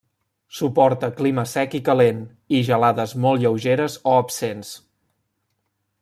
Suporta clima sec i calent, i gelades molt lleugeres o absents.